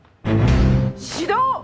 指導！